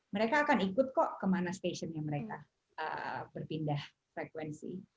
mereka akan ikut kok ke mana stationnya mereka berpindah frekuensi